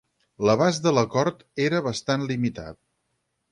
L'abast de l'acord era bastant limitat.